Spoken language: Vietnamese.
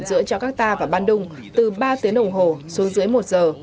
giữa cho các ta và ban đông từ ba tiếng đồng hồ xuống dưới một giờ